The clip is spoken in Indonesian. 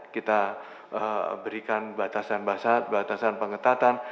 kita berikan batasan batasan pengetatan